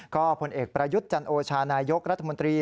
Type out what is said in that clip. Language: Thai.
ก็ผลเอกประยุทธ์จันโอชานายกรัฐมนตรี